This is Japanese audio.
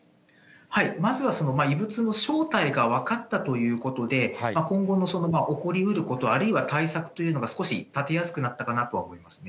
まずはその異物の正体が分かったということで、今後の起こりうること、あるいは対策というのが、少し立てやすくなったとは思いますね。